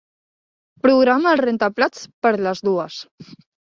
Programa el rentaplats per a les dues.